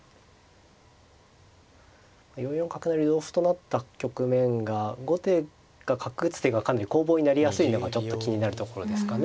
４四角成同歩となった局面が後手が角打つ手がかなり攻防になりやすいのがちょっと気になるところですかね。